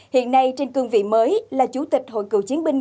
hiện nay trên cương vị mới là chủ tịch hội cựu chiến binh